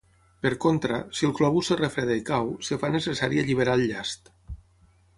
Per contra, si el globus es refreda i cau, es fa necessari alliberar el llast.